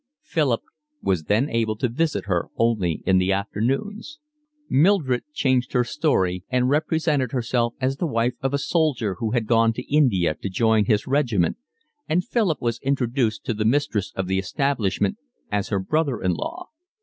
Philip was then able to visit her only in the afternoons. Mildred changed her story and represented herself as the wife of a soldier who had gone to India to join his regiment, and Philip was introduced to the mistress of the establishment as her brother in law.